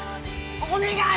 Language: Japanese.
お願い！